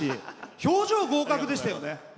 表情、合格でしたよね。